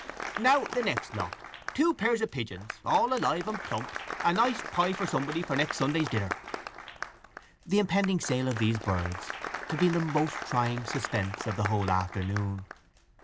"Now the next lot: two pairs of pigeons, all alive and plump—a nice pie for somebody for next Sunday's dinner!" The impending sale of these birds had been the most trying suspense of the whole afternoon.